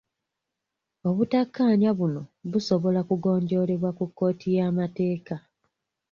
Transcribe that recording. Obutakkaanya buno busobola kugonjoolebwa mu kkooti y'amateeka.